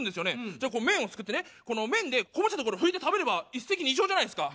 じゃあ麺をすくってねこの麺でこぼした所拭いて食べれば一石二鳥じゃないですか。